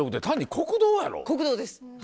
国道です。